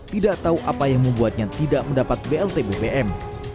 tidak tahu apa yang membuatnya tidak mendapat blt bbm